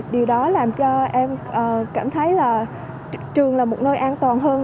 điều đó làm cho em cảm thấy là trường là một nơi an toàn hơn